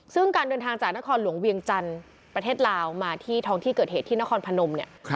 ซึ่งการเดินทางจากนครหลวงเวียงจันทร์ประเทศลาวมาที่ท้องที่เกิดเหตุที่นครพนมเนี่ย